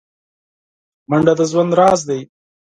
منډه د ژوند راز دی